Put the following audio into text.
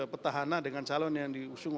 peta hana dengan calon yang diusung